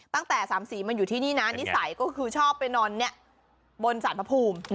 ตั้งแต่สามสีมันอยู่ที่นี่นะนิสัยก็คือชอบไปนอนบนสารพระภูมิ